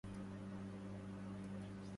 إذا؟